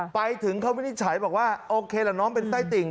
ไปถึงเขาวินิจฉัยบอกว่าโอเคละน้องเป็นไส้ติ่ง